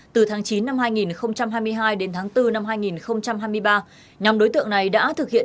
từ tháng chín năm hai nghìn hai mươi hai đến tháng bốn năm hai nghìn hai mươi ba nhóm đối tượng này đã thực hiện